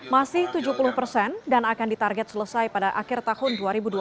masih tujuh puluh persen dan akan ditarget selesai pada akhir tahun dua ribu dua puluh